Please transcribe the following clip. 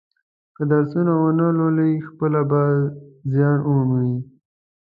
که درسونه و نه لولي خپله به زیان و مومي.